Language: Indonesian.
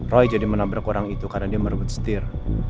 roy jadi menabrak orang itu karena dia merebut setir